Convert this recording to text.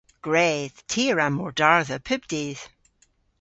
Gwredh. Ty a wra mordardha pub dydh.